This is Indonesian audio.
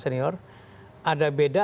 senior ada beda